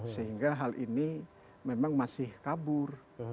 sehingga hal ini memang masih kabur